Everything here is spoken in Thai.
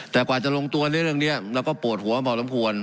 แต่กว่าจะลงตัวในเรื่องนี้เราก็ปวดหัวพอสมควร